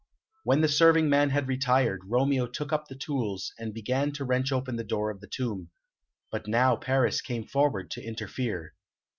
When the serving man had retired, Romeo took up the tools, and began to wrench open the door of the tomb. But now Paris came forward to interfere.